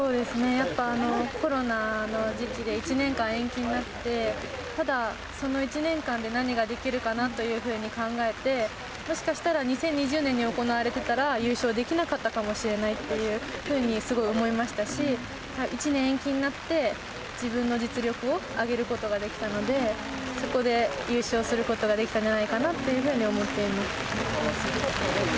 やっぱコロナの時期で、１年間延期になって、ただ、その１年間で何ができるのかなというふうに考えて、もしかしたら、２０２０年に行われてたら優勝できなかったかもしれないというふうにすごい思いましたし、１年延期になって自分の実力を上げることができたので、そこで優勝することができたんじゃないかなというふうに思っています。